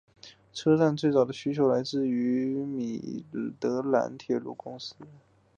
车站最早的需求来自米德兰铁路公司。